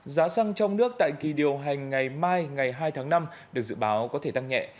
giá xăng trong nước tại kỳ điều hành ngày mai ngày hai tháng năm được dự báo có thể tăng nhẹ